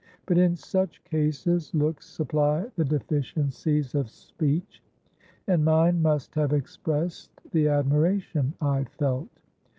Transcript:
But in such cases, looks supply the deficiencies of speech, and mine must have expressed the admiration I felt.